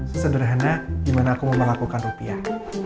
sesederhana gimana aku mau melakukan rupiah